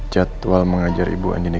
jadwal mengajar ibu andini